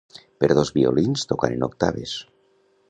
Per dos violins tocant en octaves.